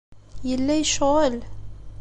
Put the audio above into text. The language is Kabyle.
Yella yecɣel.